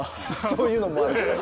そういうのもある。